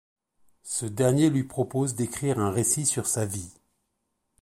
Ce dernier lui propose d'écrire un récit sur sa vie.